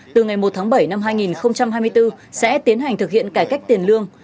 từ ngày một tháng bảy năm hai nghìn hai mươi bốn sẽ tiến hành thực hiện cải cách tiền lương